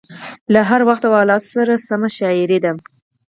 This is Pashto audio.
له هر وخت او حالاتو سره سمه شاعري ده.